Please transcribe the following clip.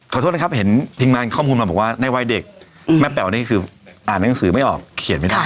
โทษนะครับเห็นทีมงานข้อมูลมาบอกว่าในวัยเด็กแม่แป๋วนี่คืออ่านหนังสือไม่ออกเขียนไม่ได้